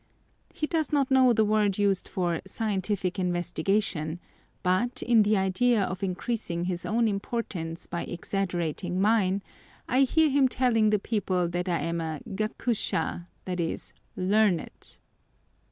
He does not know the word used for "scientific investigation," but, in the idea of increasing his own importance by exaggerating mine, I hear him telling the people that I am gakusha, i.e. learned!